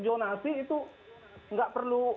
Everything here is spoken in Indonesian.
jurnalist itu tidak perlu